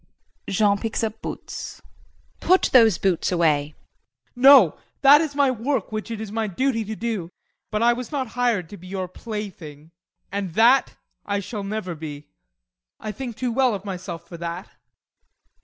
[Jean picks up boots.] JULIE. Put those boots away. JEAN. No, that is my work which it is my duty to do, but I was not hired to be your play thing and that I shall never be. I think too well of myself for that.